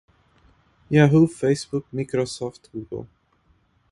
yahoo, facebook, microsoft, google